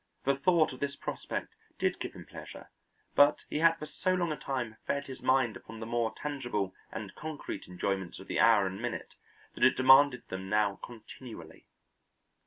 The thought of this prospect did give him pleasure, but he had for so long a time fed his mind upon the more tangible and concrete enjoyments of the hour and minute that it demanded them now continually.